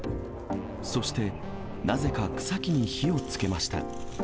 そしてなぜか草木に火をつけました。